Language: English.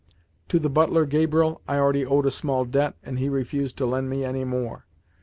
To the butler, Gabriel, I already owed a small debt, and he refused to lend me any more.